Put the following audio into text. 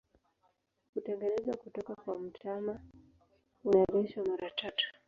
Hutengenezwa kutoka kwa mtama, hunereshwa mara tatu.